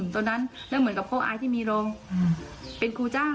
ตอนนั้นแล้วเหมือนกับพ่ออายที่มีรองเป็นครูจ้าง